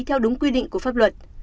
theo đúng quy định của pháp luật